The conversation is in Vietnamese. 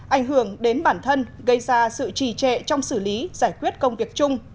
ảnh hưởng đến bản thân gây ra sự trì trệ trong xử lý giải quyết công việc chung